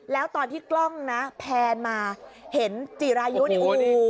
แล้วตอนที่กล้องนะแพนมาเห็นจิรายุนี่โอ้โห